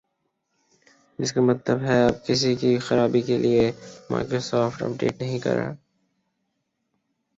جس کا مطلب ہے اب کسی بھی خرابی کے لئے مائیکروسافٹ اپ ڈیٹ نہیں کرے گا